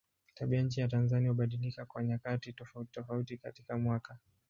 Tabianchi ya Tanzania hubadilika kwa nyakati tofautitofauti katika mwaka.